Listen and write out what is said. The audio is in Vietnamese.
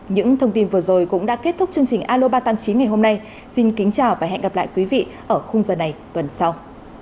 những thông tin vừa rồi cũng đã kết thúc chương trình aloba tăng chín ngày hôm nay xin kính chào và hẹn gặp lại quý vị ở khung giờ này tuần sau